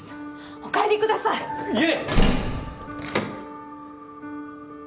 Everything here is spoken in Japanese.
お帰りください悠依！